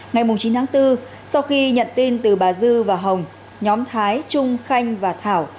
ngày chín tháng bốn sau khi nhận tin từ bà dư và hồng nhóm thái trung khanh và thảo